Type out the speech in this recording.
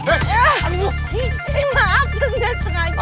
eh mah apanya sengaja